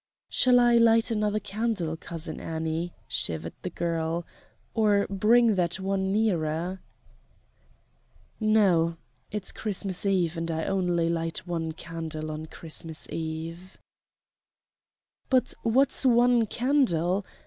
"Shall I light another candle, Cousin Annie?" shivered the girl, "or bring that one nearer?" "No, it's Christmas Eve, and I only light one candle on Christmas Eve." "But what's one candle!